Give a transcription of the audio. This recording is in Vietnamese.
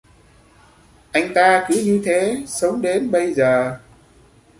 Anh ta cứ như thế sống đến bây giờ